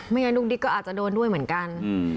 งั้นลูกดิ๊กก็อาจจะโดนด้วยเหมือนกัน